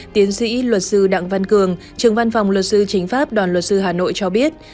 tiến sĩ luật sư đặng văn cường trưởng văn phòng luật sư chính pháp đoàn luật sư hà nội cho biết